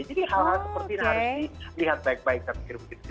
jadi hal hal seperti ini harus dilihat baik baik